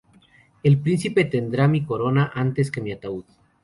El Príncipe tendrá mi corona antes que mi ataúd.